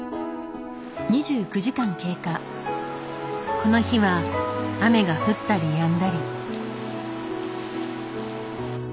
この日は雨が降ったりやんだり。